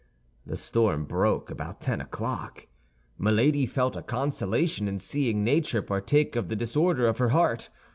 The storm broke about ten o'clock. Milady felt a consolation in seeing nature partake of the disorder of her heart.